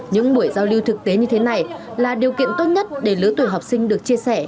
những buổi giao lưu thực tế như thế này là điều kiện tốt nhất để lứa tuổi học sinh được chia sẻ